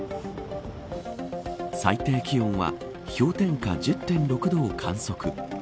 最低気温は氷点下１０．６度を観測。